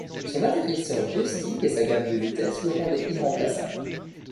Son atterrisseur rustique et sa gamme de vitesse le rendaient irremplaçable.